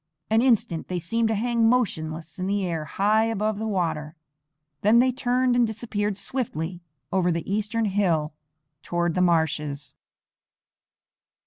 An instant they seemed to hang motionless in the air high above the water, then they turned and disappeared swiftly over the eastern hill toward the marshes.